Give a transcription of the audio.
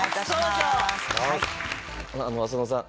浅野さん